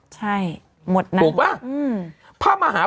ใช่หมดนะถูกป่ะ